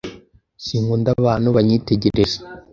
Sinkunda abantu banyitegereza.